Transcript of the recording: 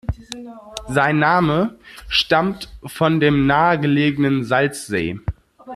Sein Name stammt von dem nahegelegenen Salzsee.